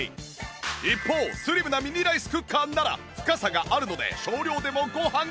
一方スリムなミニライスクッカーなら深さがあるので少量でもご飯が対流！